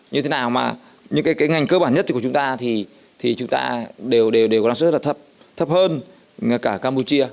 như thế nào mà những ngành cơ bản nhất của chúng ta thì chúng ta đều có năng suất rất là thấp hơn cả campuchia